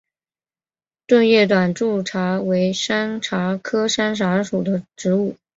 钝叶短柱茶为山茶科山茶属的植物。